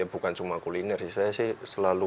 bukan cuma kuliner sih saya sih selalu